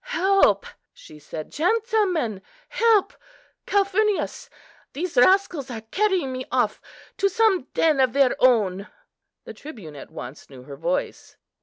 "Help," she said, "gentlemen! help, Calphurnius! these rascals are carrying me off to some den of their own." The tribune at once knew her voice.